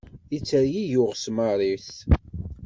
Yettergigi uɣesmar-is.